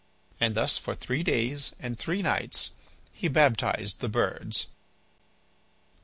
And thus for three days and three nights he baptized the birds. VI.